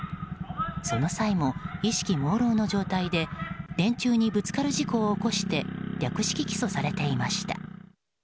その際も意識もうろうの状態で電柱にぶつかる事故を起こして略式起訴されていました。